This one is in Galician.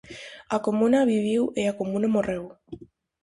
A Comuna viviu e a Comuna morreu.